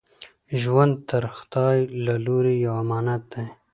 ژوند د خدای له لوري یو امانت دی.